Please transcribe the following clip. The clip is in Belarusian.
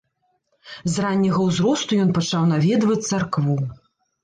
З ранняга ўзросту ён пачаў наведваць царкву.